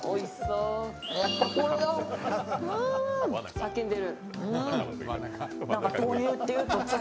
叫んでる。